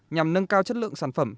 nhằm nâng cao chất lượng sản phẩm